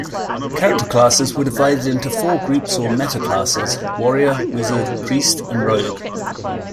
Character classes were divided into four groups or "metaclasses": Warrior, Wizard, Priest, and Rogue.